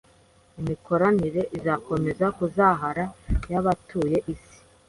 imikoranire izakomeza kuzahara yabatuye isi